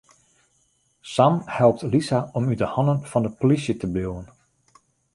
Sam helpt Lisa om út 'e hannen fan de polysje te bliuwen.